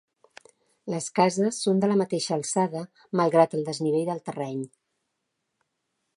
Les cases són de la mateixa alçada malgrat el desnivell del terreny.